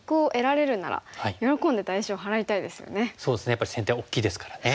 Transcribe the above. やっぱり先手は大きいですからね。